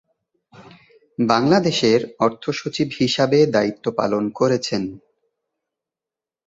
বাংলাদেশের অর্থ সচিব হিসাবে দায়িত্ব পালন করেছেন।